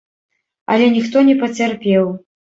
Але ніхто не пацярпеў.